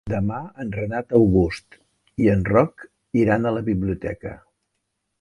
Demà en Renat August i en Roc iran a la biblioteca.